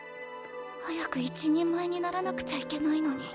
早く一人前にならなくちゃいけないのに。